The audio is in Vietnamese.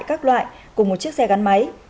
các loại cùng một chiếc xe gắn máy